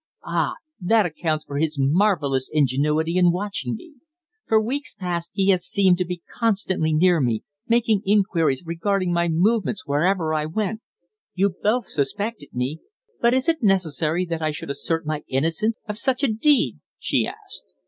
"Ah! that accounts for his marvellous ingenuity in watching me. For weeks past he has seemed to be constantly near me, making inquiries regarding my movements wherever I went. You both suspected me. But is it necessary that I should assert my innocence of such a deed?" she asked.